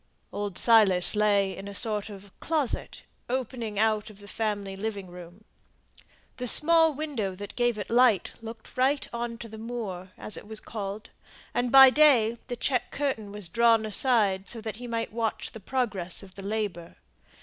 Old Silas lay in a sort of closet, opening out of the family living room. The small window that gave it light looked right on to the "moor," as it was called; and by day the check curtain was drawn aside so that he might watch the progress of the labour.